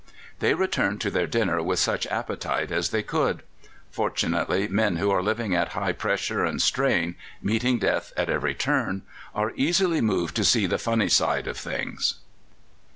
They returned to their dinners with such appetite as they could. Fortunately, men who are living at high pressure and strain, meeting death at every turn, are easily moved to see the funny side of things.